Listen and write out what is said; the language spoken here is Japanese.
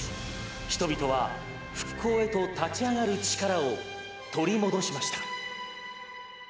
人々は復興へと立ち上がる力を取り戻しました。